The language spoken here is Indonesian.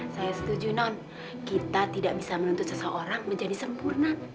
saya setuju non kita tidak bisa menuntut seseorang menjadi sempurna